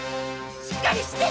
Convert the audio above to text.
しっかりして！